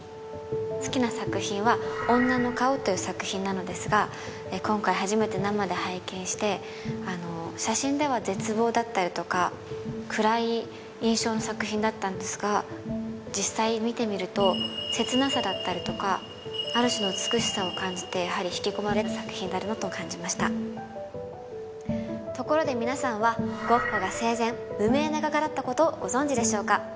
好きな作品は「女の顔」という作品なのですが今回初めて生で拝見してあの写真では絶望だったりとか暗い印象の作品だったんですが実際見てみると切なさだったりとかある種の美しさを感じてやはり引き込まれる作品と感じましたところで皆さんはゴッホが生前無名な画家だったことをご存じでしょうか？